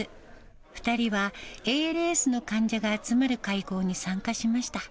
２人はＡＬＳの患者が集まる会合に参加しました。